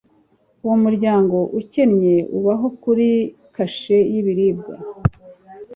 Uwo muryango ukennye ubaho kuri kashe yibiribwa